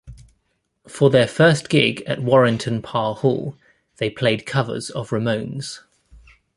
For their first gig at Warrington Parr Hall, they played covers of Ramones.